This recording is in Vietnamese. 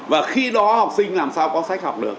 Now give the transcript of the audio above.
và khi đó học sinh làm sao có sách học được